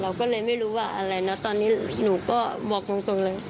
เราก็เลยไม่รู้ว่าอะไรนะตอนนี้หนูก็บอกตรงเลย